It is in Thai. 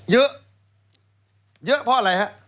เยอะเยอะเพราะอะไรฮะ